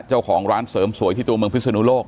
เจ้าของร้านเสริมสวยที่ตัวเมืองพิศนุโลก